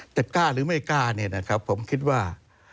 กล้าหรือไม่กล้าเนี่ยนะครับผมคิดว่า